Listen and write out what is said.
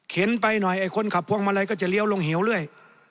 ไปหน่อยไอ้คนขับพวงมาลัยก็จะเลี้ยวลงเหวเรื่อย